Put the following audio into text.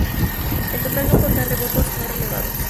El total no contar los votos no revelados.